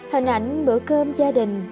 hình ảnh bữa cơm gia đình